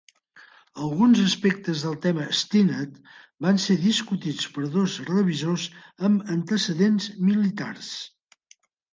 Alguns aspectes del tema Stinnett van ser discutits per dos revisors amb antecedents militars.